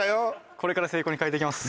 これから成功に変えていきます